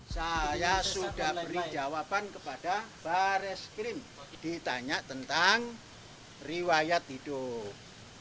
saya sudah beri jawaban kepada baris krim ditanya tentang riwayat hidup